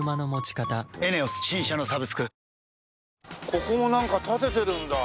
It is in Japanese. ここもなんか建ててるんだ。